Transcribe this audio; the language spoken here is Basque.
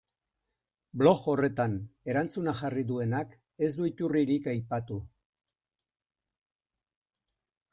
Blog horretan erantzuna jarri duenak ez du iturririk aipatu.